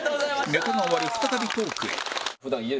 ネタが終わり再びトークへ